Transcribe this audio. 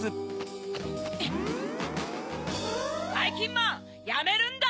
ばいきんまんやめるんだ！